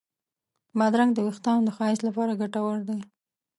بادرنګ د وېښتانو د ښایست لپاره ګټور دی.